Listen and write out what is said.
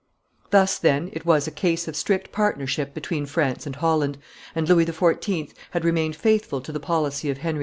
Thus, then, it was a case of strict partnership between France and Holland, and Louis XIV. had remained faithful to the policy of Henry IV.